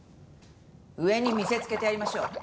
上に見せつけてやりましょう。